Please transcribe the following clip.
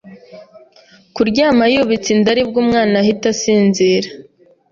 kuryama yubitse inda aribwo umwana ahita asinzira,